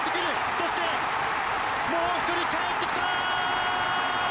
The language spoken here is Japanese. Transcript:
そして、もう１人かえってきた！